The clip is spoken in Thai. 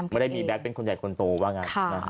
ไม่ได้มีแก๊กเป็นคนใหญ่คนโตว่างั้น